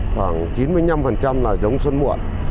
khoảng chín mươi năm là giống xuân muộn